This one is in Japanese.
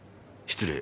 失礼。